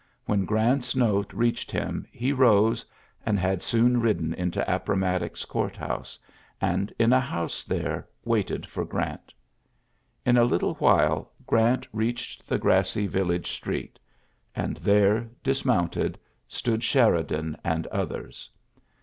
When Grant's note reached him, he rose, and had soon ridden into Appomattox Court house, and in a house there waited for Grant. In a little while Grant reached the grassy village street; and there, dismounted, ULYSSES S. GEANT 125 stx>od Sheridan and others.